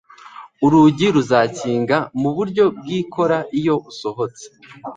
Urugi ruzakingira mu buryo bwikora iyo usohotse